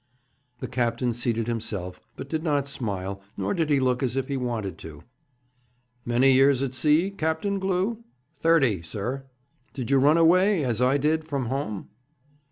The captain seated himself, but did not smile, nor did he look as if he wanted to. 'Many years at sea, Captain Glew?' 'Thirty, sir.' 'Did you run away, as I did, from home?'